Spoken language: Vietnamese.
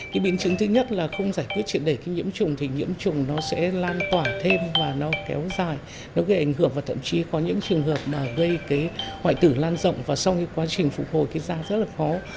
cái biến chứng thứ nhất là không giải quyết chuyện đẩy cái nhiễm trùng thì nhiễm trùng nó sẽ lan tỏa thêm và nó kéo dài nó gây ảnh hưởng và thậm chí có những trường hợp mà gây cái hoại tử lan rộng và sau cái quá trình phục hồi cái da rất là khó